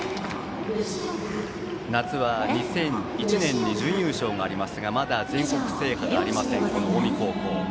夏は２００１年に準優勝がありますがまだ全国制覇がない近江高校。